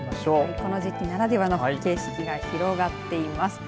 この時期ならではの景色が広がっています。